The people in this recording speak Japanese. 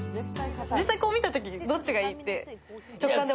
実際、こう見たときにどっちがいいって直感で。